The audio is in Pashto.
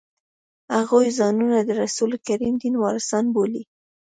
هغوی ځانونه د رسول کریم دین وارثان بولي.